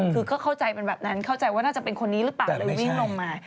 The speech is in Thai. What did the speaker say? คือก็เข้าใจเป็นแบบนั้นเข้าใจว่าน่าจะเป็นคนนี้หรือเปล่าเลยวิ่งลงมา